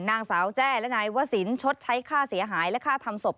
นางสาวแจ้และนายวศิลปดใช้ค่าเสียหายและค่าทำศพ